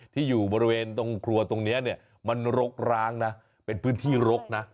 ที่อยู่บริเวณตรงครัวตรงนี้เนี่ยมันรกร้างนะเป็นพื้นที่รกนะ